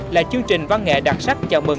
là chương trình văn nghệ đặc sắc chào mừng